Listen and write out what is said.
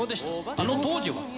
あの当時は。